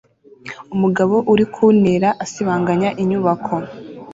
Umugabo uri ku ntera asibanganya inyubako